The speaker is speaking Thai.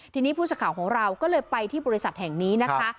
ทีนี้ผู้สื่อข่าวของเราก็เลยไปที่บริษัทแห่งนี้นะคะ